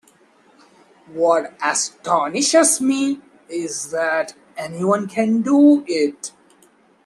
What astonishes me is that anyone can do it.